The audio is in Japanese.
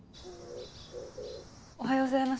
おはようございます。